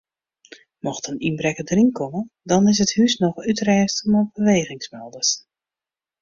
Mocht in ynbrekker deryn komme dan is it hûs noch útrêste mei bewegingsmelders.